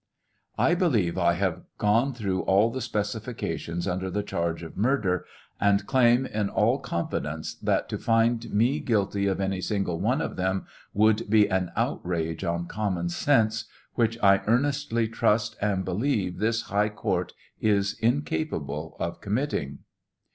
I believe I have gone through all the specifications under the charge of murder, and claim, in all confidence, that to find me guilty of any single one of them would be an outrage on common sense, which I earnestly trust and believe this high court is incapable of committing.